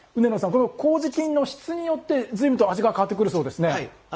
このこうじ菌の質によってずいぶんと味が変わってくるそうですね。